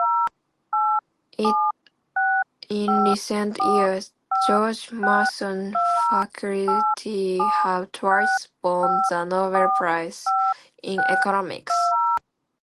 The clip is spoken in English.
In recent years, George Mason faculty have twice won the Nobel Prize in Economics.